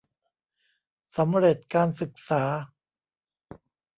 สำเร็จการศึกษา